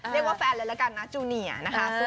เรียกว่าแฟนรึเปล่ากันนะจูนี่อ่ะนะคะ